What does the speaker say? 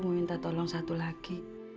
mau minta tolong satu lagi